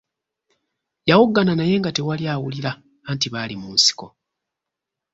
Yawoggana naye nga tewali awulira anti baali mu nsiko.